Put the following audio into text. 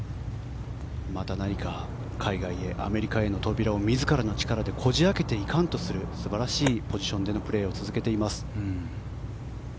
また何か海外へアメリカへの扉を自らの力でこじ開けていかんとする素晴らしいポジションでのプレーを続けています。